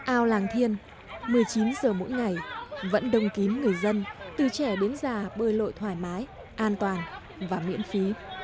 ao làng thiên một mươi chín giờ mỗi ngày vẫn đông kín người dân từ trẻ đến già bơi lội thoải mái an toàn và miễn phí